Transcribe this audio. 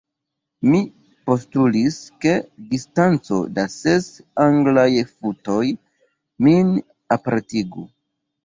Mi postulis, ke distanco da ses Anglaj futoj nin apartigu.